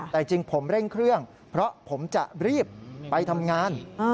แต่จริงผมเร่งเครื่องเพราะผมจะรีบไปทำงาน